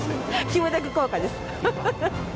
キムタク効果です。